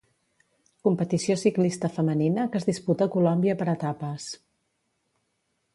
Competició ciclista femenina que es disputa a Colòmbia per etapes.